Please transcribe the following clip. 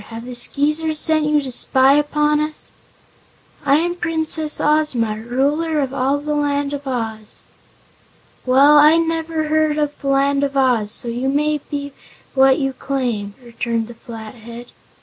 Have the Skeezers sent you to spy upon us?" "I am Princess Ozma, Ruler of all the Land of Oz." "Well, I've never heard of the Land of Oz, so you may be what you claim," returned the Flathead.